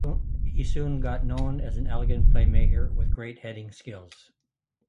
He soon got known as an elegant playmaker with great heading skills.